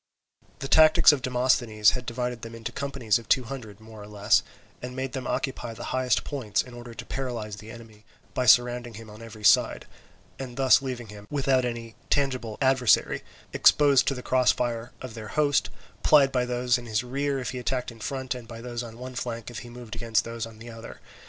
The tactics of Demosthenes had divided them into companies of two hundred, more or less, and made them occupy the highest points in order to paralyse the enemy by surrounding him on every side and thus leaving him without any tangible adversary, exposed to the cross fire of their host; plied by those in his rear if he attacked in front, and by those on one flank if he moved against those on the other.